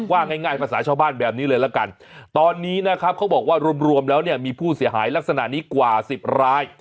ว่าง่ายภาษาชาวบ้านแบบนี้เลยละกันตอนนี้นะครับเขาบอกว่ารวมแล้วเนี่ยมีผู้เสียหายลักษณะนี้กว่า๑๐ราย